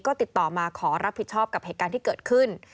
ก็ติดต่อมาขอรับผิดชอบกับเหตุการณ์ที่เกิดขึ้น